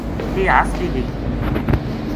ویہ ہس بھی گئی